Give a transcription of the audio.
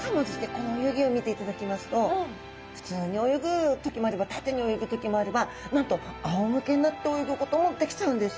この泳ぎを見ていただきますと普通に泳ぐ時もあれば縦に泳ぐ時もあればなんとあおむけになって泳ぐこともできちゃうんです。